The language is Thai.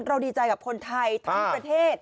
ดีใจกับคนไทยทั้งประเทศ